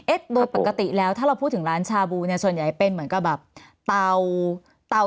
โดยปกติแล้วถ้าเราพูดถึงร้านชาบูเนี่ยส่วนใหญ่เป็นเหมือนกับแบบเตาเตา